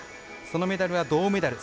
そのメダルは銅メダル。